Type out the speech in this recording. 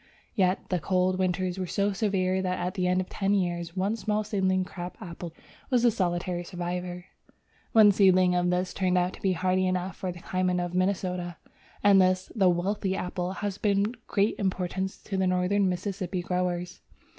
Yet the cold winters were so severe that at the end of ten years one small seedling crab apple was the solitary survivor. One seedling of this turned out to be hardy enough for the climate of Minnesota, and this, the "wealthy" apple, has been of great importance to the Northern Mississippi growers.